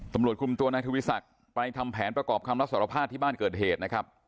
ตำรวจคุมตัวนายทวีศักดิ์ไปทำแผนประกอบคำรับสารภาพที่บ้านเกิดเหตุนะครับ